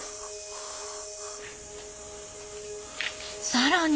更に。